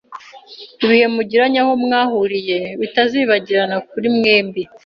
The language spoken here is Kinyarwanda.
ibihe mugiranye aho mwahuriye bitazibagirana kuri mwembi.